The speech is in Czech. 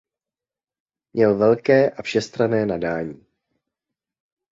Měl velké a všestranné nadání.